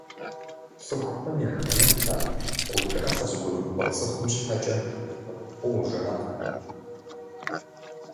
Цӏыхухэм яхэмыхьэ, гушыӏэ къызыгурымыӏуэ цӏыхум щхьэкӏэ вымпӏу жаӏэ.